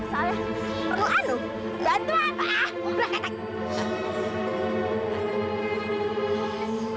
salah perlu anu bantu aku ah